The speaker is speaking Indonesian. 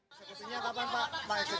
sekesinya kapan pak